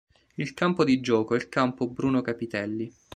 Il campo di gioco è il campo "Bruno Capitelli".